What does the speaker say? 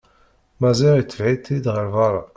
Maziɣ itbeɛ-itt-id ɣer berra.